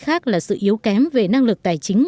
khác là sự yếu kém về năng lực tài chính